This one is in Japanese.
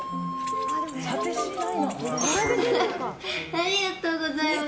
ありがとうございます。